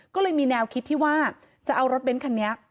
ก็เลยมีแนวคิดที่ว่าจะเอารถเบ้นคันนี้